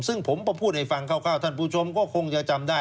ซึ่งผมก็พูดให้ฟังคร่าวท่านผู้ชมก็คงจะจำได้